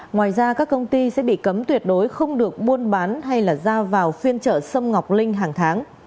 ngoài ra các công ty sẽ bị cấm tuyệt đối không được buôn bán hay ra vào phiên chợ sâm ngọc linh hàng tháng